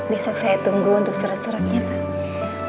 besok saya tunggu untuk surat suratnya pak